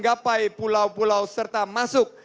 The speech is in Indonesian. gapai pulau pulau serta masuk